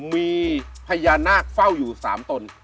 มีพญานาคเฝ้าอยู่๓ตน